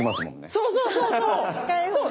そうそうそうそう。